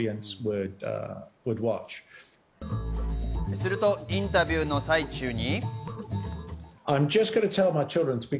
するとインタビューの最中に。